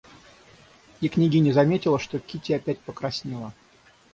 И княгиня заметила, что Кити опять покраснела.